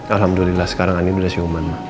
alhamdulillah sekarang andin sudah siuman